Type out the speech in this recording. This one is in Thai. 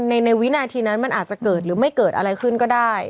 ในวินาทีนั้นมันอาจจะเกิดหรือไม่เกิดอะไรขึ้นก็ได้